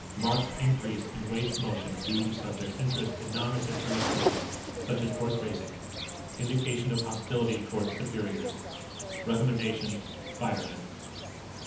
Marked increase in waste motion due to subject's interest in non essential activities such as horseracing. Indication of hostility towards superiors._ "_Recommendation: Fire him.